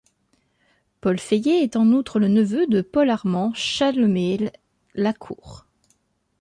Paul Feillet est en outre le neveu de Paul-Armand Challemel-Lacour.